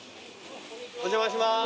お邪魔します。